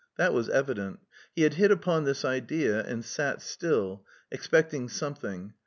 That was evident. He had hit upon this idea, and sat still, expecting something.